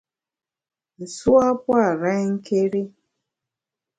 Nsu a pua’ renké́ri.